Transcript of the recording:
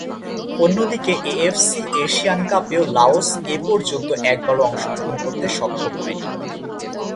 অন্যদিকে, AFC Asian কাপেও Laos এপর্যন্ত একবারও অংশগ্রহণ করতে সক্ষম হয়নি।